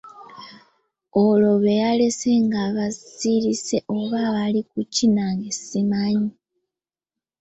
Olwo be yalese nga bazirirse oba baali ku ki, nange simanyi.